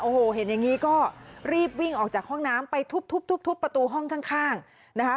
โอ้โหเห็นอย่างนี้ก็รีบวิ่งออกจากห้องน้ำไปทุบทุบประตูห้องข้างนะคะ